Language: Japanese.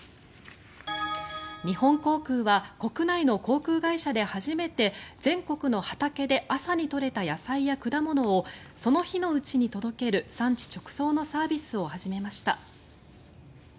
日本航空は国内の航空会社で初めて全国の畑で朝に採れた野菜や果物をその日のうちに届ける産地直送のサービスを始めました。